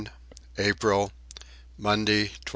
April. Monday 27.